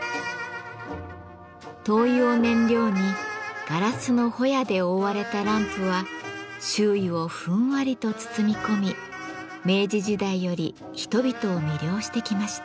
灯油を燃料にガラスのほやで覆われたランプは周囲をふんわりと包み込み明治時代より人々を魅了してきました。